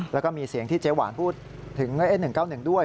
แล้วก็มีเสียงที่เจ๊หวานพูดถึง๑๙๑ด้วย